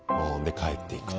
帰っていくと。